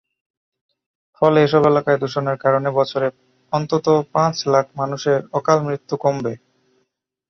ফলে এসব এলাকায় দূষণের কারণে বছরে অন্তত পাঁচ লাখ মানুষের অকালমৃত্যু কমবে।